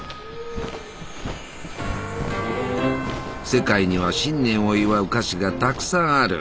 世界には新年を祝う菓子がたくさんある。